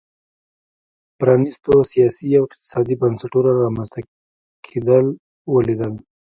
پرانیستو سیاسي او اقتصادي بنسټونو رامنځته کېدل ولیدل.